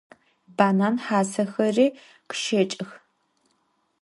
Banan hasexeri khışeç'ıx.